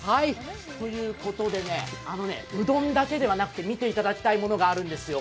ということでうどんだけではなくて見ていただきたいものがあるんですよ。